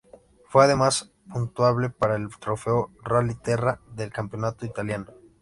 Fue además puntuable para el "Trofeo Rally Terra" del campeonato italiano.